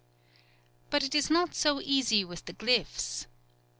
But it is not so easy with the glyphs.